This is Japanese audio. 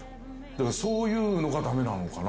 そういうのが駄目なのかな。